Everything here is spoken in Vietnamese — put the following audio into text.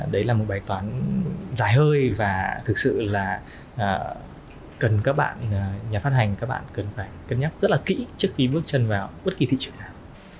đấy là một bài toán dài hơi và thực sự là cần các bạn nhà phát hành các bạn cần phải cân nhắc rất là kỹ trước khi bước chân vào bất kỳ thị trường nào